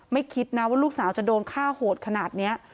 คิดนะว่าลูกสาวจะโดนฆ่าโหดขนาดนี้